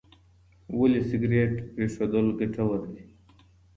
ولې سګریټ پرېښودل ګټور دي؟